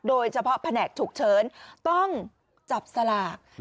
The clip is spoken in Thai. โดยเฉพาะแผนกถูกเชิญต้องจับสลาก